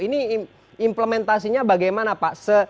ini implementasinya bagaimana pak